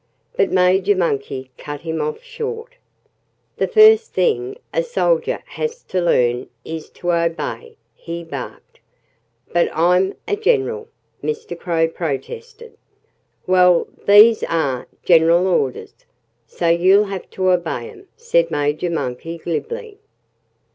But Major Monkey cut him off short. "The first thing a soldier has to learn is to obey," he barked. "But I'm a general!" Mr. Crow protested. "Well, these are general orders; so you'll have to obey 'em," said Major Monkey glibly.